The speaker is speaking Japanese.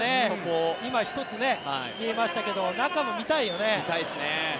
今、一つ見えましたけど中も見たいですよね。